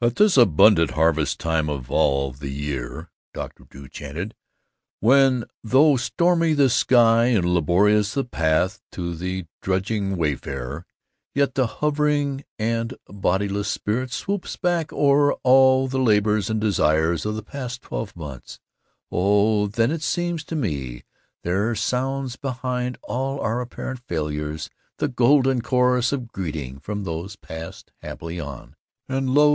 "At this abundant harvest time of all the year," Dr. Drew chanted, "when, though stormy the sky and laborious the path to the drudging wayfarer, yet the hovering and bodiless spirit swoops back o'er all the labors and desires of the past twelve months, oh, then it seems to me there sounds behind all our apparent failures the golden chorus of greeting from those passed happily on; and lo!